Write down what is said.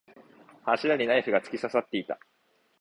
柱にナイフが突き刺さっていた。